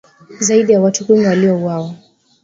Zaidi ya watu kumi waliuawa